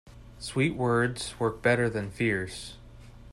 Sweet words work better than fierce.